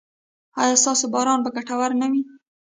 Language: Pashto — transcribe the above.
ایا ستاسو باران به ګټور نه وي؟